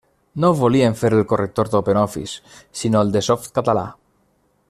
No volíem fer el corrector d'OpenOffice, sinó el de Softcatalà.